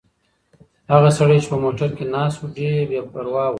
هغه سړی چې په موټر کې ناست و ډېر بې پروا و.